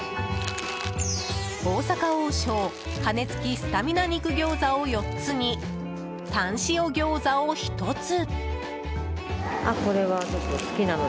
大阪王将羽根つきスタミナ肉餃子を４つにタン塩餃子を１つ。